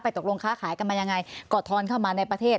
ตกลงค้าขายกันมายังไงก็ทอนเข้ามาในประเทศ